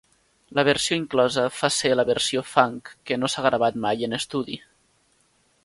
La versió inclosa fa ser la versió funk, que no s'ha gravat mai en estudi.